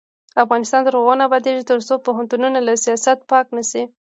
افغانستان تر هغو نه ابادیږي، ترڅو پوهنتونونه له سیاست پاک نشي.